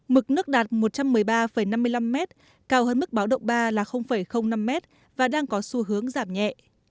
mực nước đạt một trăm một mươi ba năm mươi năm m cao hơn mức báo động ba là năm m và đang có xu hướng giảm nhẹ